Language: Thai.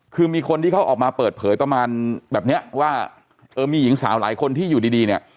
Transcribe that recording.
คือมีคนที่เขาออกมาเปิดเผยประมาณแบบเนี้ยว่าเออมีหญิงสาวหลายคนที่อยู่ดีดีเนี่ย